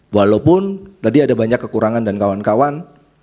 walaupun tadi ada banyak kekurangan dan kawan kawan